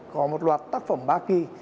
có một loạt tác phẩm ba k